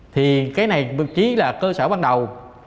thì cái này bưu chí là cơ sở ban đầu